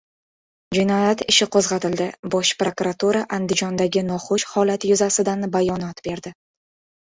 «Jinoyat ishi qo‘zg‘atildi» — Bosh prokuratura Andijondagi noxush holat yuzasidan bayonot berdi